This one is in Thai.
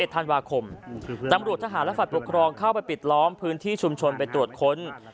ธันวาคมตำรวจทหารและฝ่ายปกครองเข้าไปปิดล้อมพื้นที่ชุมชนไปตรวจค้น